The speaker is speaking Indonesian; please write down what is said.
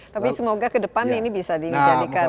tapi semoga kedepan ini bisa dijadikan